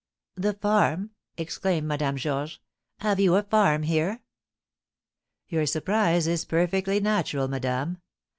"The farm!" exclaimed Madame Georges. "Have you a farm here?" "Your surprise is perfectly natural, madame.